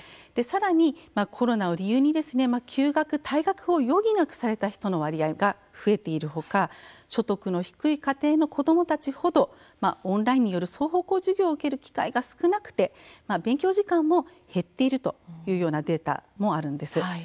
さらにコロナを理由に休学、退学を余儀なくされた人の割合が増えているほか所得の低い家庭の子どもたちほどオンラインによる双方向授業を受ける機会が少なくて勉強時間も減っているというようなデータもあるんです。